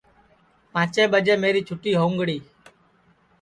پانٚچیں ٻجے میری چھُتی ہوؤنگڑی